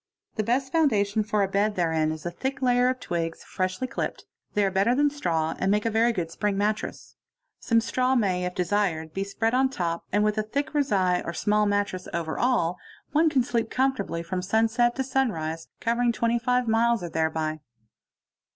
The best foundation for a bed therein is a thick 148 EQUIPMENT OF THE INVESTIGATING OFFICER o layer of twigs, freshly clipped; they are better than straw and make : very good spring mattress. Some straw may if desired be spread on top, and with a thick rezai or small mattress over all, one can sleep com fortably from sunset to sunrise, covering 25 miles or thereby.